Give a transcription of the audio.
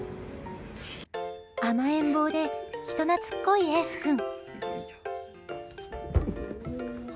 甘えん坊で人懐っこいエース君。